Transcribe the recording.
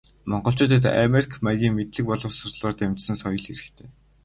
Монголчуудад америк маягийн мэдлэг боловсролоор дамжсан соёл хэрэгтэй.